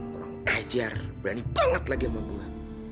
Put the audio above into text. kurang ajar berani banget lagi sama gue